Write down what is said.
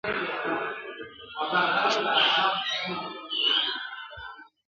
د واک ترلاسه کولو لپاره ګټه واخیسته ..